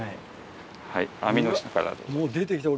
はい網の下からどうぞ。